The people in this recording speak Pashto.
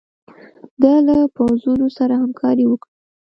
ده له پوځونو سره همکاري وکړي.